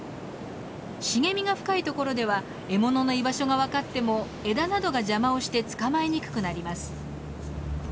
茂みが深いところでは獲物の居場所が分かっても枝などが邪魔をして捕まえにくくなります。